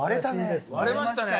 割れましたね。